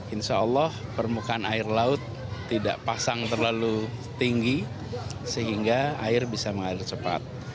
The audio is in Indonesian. insya allah permukaan air laut tidak pasang terlalu tinggi sehingga air bisa mengalir cepat